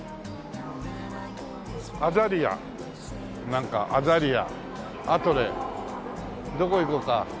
アザリアなんかアザリアアトレどこ行こうか？